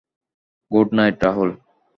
Good night Rahul.